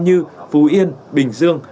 như phú yên bình dương